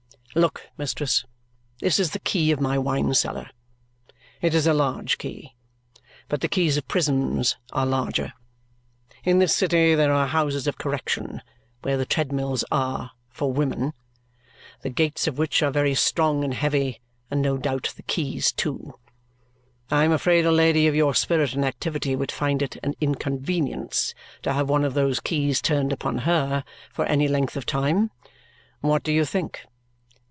Look, mistress, this is the key of my wine cellar. It is a large key, but the keys of prisons are larger. In this city there are houses of correction (where the treadmills are, for women), the gates of which are very strong and heavy, and no doubt the keys too. I am afraid a lady of your spirit and activity would find it an inconvenience to have one of those keys turned upon her for any length of time. What do you think?"